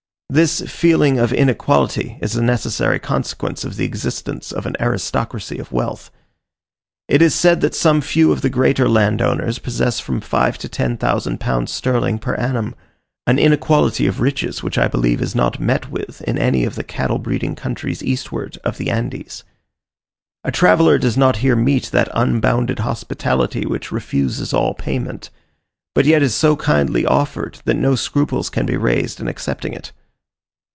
This feeling of inequality is a necessary consequence of the existence of an aristocracy of wealth. It is said that some few of the greater landowners possess from five to ten thousand pounds sterling per annum: an inequality of riches which I believe is not met with in any of the cattle breeding countries eastward of the Andes. A traveller does not here meet that unbounded hospitality which refuses all payment, but yet is so kindly offered that no scruples can be raised in accepting it.